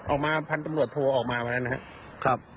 ออกมาพันธุ์ตำรวจโทรออกมาวันนั้นนะครับ